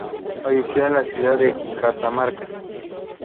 Falleció en la ciudad de Catamarca.